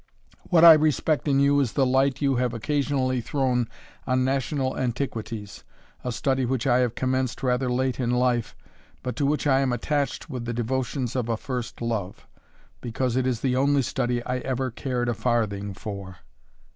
what I respect in you is the light you have occasionally thrown on national antiquities, a study which I have commenced rather late in life, but to which I am attached with the devotions of a first love, because it is the only study I ever cared a farthing for.